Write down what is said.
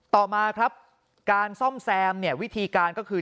ต่อมาครับการซ่อมแซมเนี่ยวิธีการก็คือ